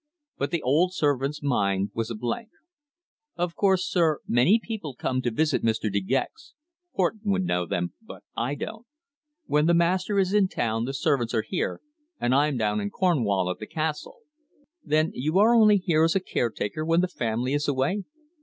But the old servant's mind was a blank. "Of course, sir, many people come to visit Mr. De Gex. Horton would know them, but I don't. When the master is in town the servants are here, and I'm down in Cornwall at the castle." "Then you are only here as caretaker when the family is away?"